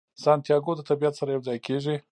سانتیاګو د طبیعت سره یو ځای کیږي.